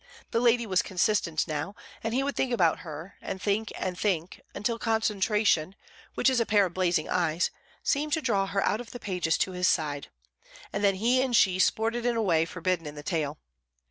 The lady was consistent now, and he would think about her, and think and think, until concentration, which is a pair of blazing eyes, seemed to draw her out of the pages to his side, and then he and she sported in a way forbidden in the tale.